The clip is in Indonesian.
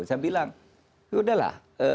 saya bilang yaudahlah